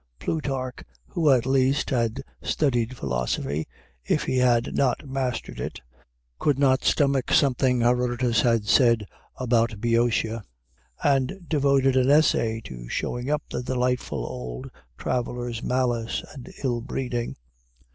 Plutarch, who at least had studied philosophy, if he had not mastered it, could not stomach something Herodotus had said of Bœotia, and devoted an essay to showing up the delightful old traveler's malice and ill breeding.